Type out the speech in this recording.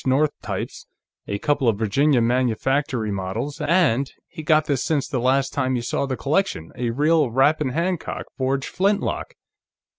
North types, a couple of Virginia Manufactory models, and he got this since the last time you saw the collection a real Rappahannock Forge flintlock.